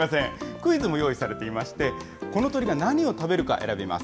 クイズも用意されていまして、この鳥が何を食べるか選びます。